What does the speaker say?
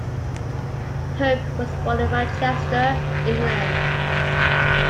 Hope was born in Manchester, England.